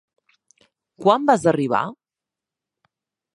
Quan vas arribar?